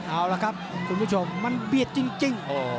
เอาละครับคุณผู้ชมมันเบียดจริง